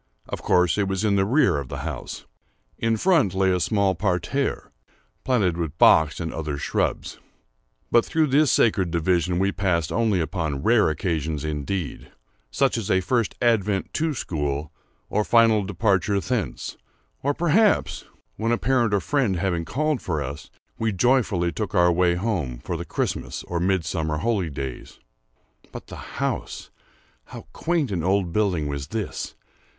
Of course it was in the rear of the house. In front lay a small parterre, planted with box and other shrubs, but through this sacred division we passed only upon rare occasions indeed—such as a first advent to school or final departure thence, or perhaps, when a parent or friend having called for us, we joyfully took our way home for the Christmas or Midsummer holidays. But the house!—how quaint an old building was this!